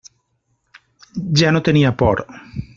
Ja no tenia por.